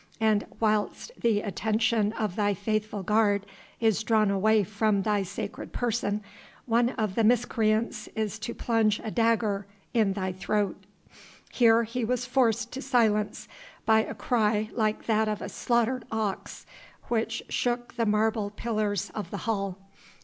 and whilst the attention of thy faithful guard is drawn away from thy sacred person, one of the miscreants is to plunge a dagger in thy throat " Here he was forced to silence by a cry like that of a slaughtered ox, which shook the marble pillars of the hall.